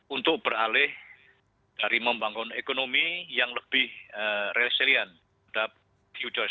untuk beralih dari membangun ekonomi yang lebih resilient uders